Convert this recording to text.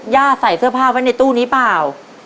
ใส่เสื้อผ้าไว้ในตู้นี้เปล่า